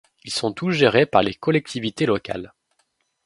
Ils sont tous gérés par les collectivités locales.